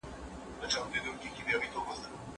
د حقوق الله په ادا کولو کي بریا ده.